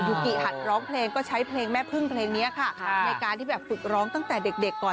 กิหัดร้องเพลงก็ใช้เพลงแม่พึ่งเพลงนี้ค่ะในการที่แบบฝึกร้องตั้งแต่เด็กก่อน